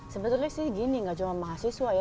sebetulnya sih gini gak cuma mahasiswa ya